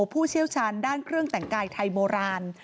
ผู้เชี่ยวชาญด้านเครื่องแต่งกายไทยโบราณ